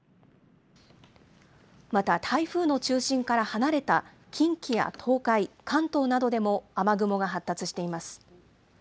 また台風の中心から離れた近畿や東海、関東などでも雨雲が発達しています。